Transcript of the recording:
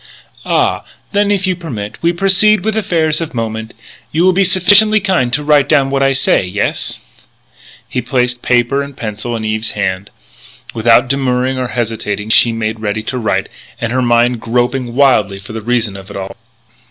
"Ah! Then, if you permit, we proceed with affairs of moment. You will be sufficiently kind to write down what I say. Yes?" He placed paper and pencil in Eve's hand. Without demurring or hesitation she made ready to write, her mind groping wildly for the reason of it all.